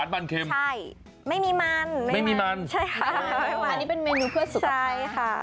ใช่ไม่มีมันไม่มีมันใช่ค่ะอันนี้เป็นเมนูเพื่อสุขกับค้าใช่ค่ะ